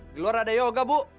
keluar ada yoga bu